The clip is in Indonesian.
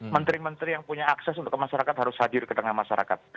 menteri menteri yang punya akses untuk ke masyarakat harus hadir ke tengah masyarakat